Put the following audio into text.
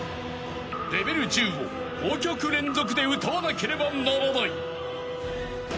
［レベル１０を５曲連続で歌わなければならない］